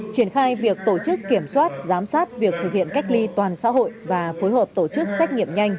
triển khai việc tổ chức kiểm soát giám sát việc thực hiện cách ly toàn xã hội và phối hợp tổ chức xét nghiệm nhanh